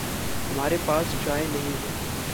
हमारे पास चाय नहीं है।